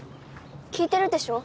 聞いてるでしょ？